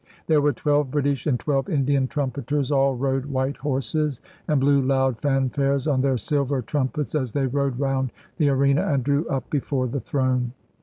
There were twelve British and twelve Indian trumpeters; all rode white horses, and blew loud fanfares on their silver trumpets as they rode round the arena and drew up before the throne.